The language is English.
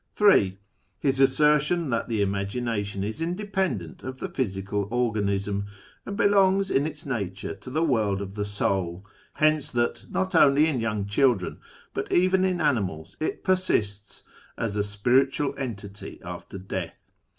(3) His assertion that the Imagination is independent of the physical organism, and belongs in its nature to the world of the soul : hence that not only in young children, but even in animals, it persists as a spiritual entity after death.